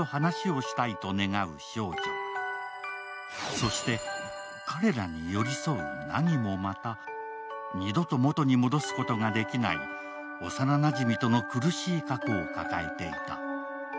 そして、彼らに寄り添う凪もまた、二度と元に戻すことができない幼なじみとの苦しい過去を抱えていた。